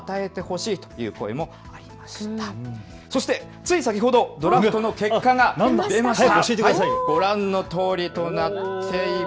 つい先ほどドラフトの結果が出ました。